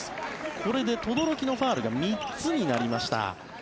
これで轟のファウルが３つになりました。